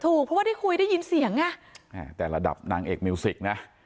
ถูกเพราะว่าได้คุยได้ยินเสียงอ่ะแต่ระดับนางเอกมิวสิกนะ